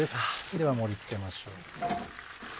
では盛り付けましょう。